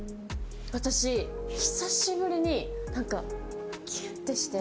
私、久しぶりにキュンってして。